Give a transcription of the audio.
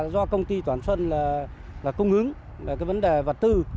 vấn đề toàn xuân là cung ứng vấn đề vật tư